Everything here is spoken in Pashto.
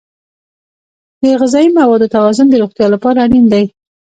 د غذایي موادو توازن د روغتیا لپاره اړین دی.